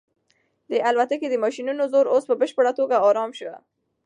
د الوتکې د ماشینونو زور اوس په بشپړه توګه ارام شو.